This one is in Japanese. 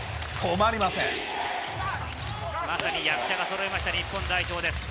まさに役者がそろいました、日本代表です。